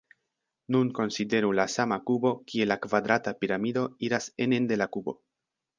Nun konsideru la sama kubo kie la kvadrata piramido iras enen de la kubo.